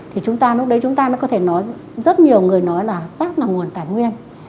thì chúng ta lúc đấy chúng ta mới có thể nói rất nhiều người nói là xác là nguồn tài nguyên